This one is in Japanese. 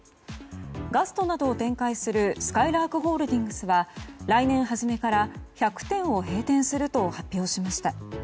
ガストなどを展開するすかいらーくホールディングスは来年初めから１００店を閉店すると発表しました。